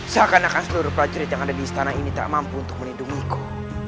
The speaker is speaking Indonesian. seakan akan seluruh prajurit yang ada di istana ini tak mampu untuk melindungiku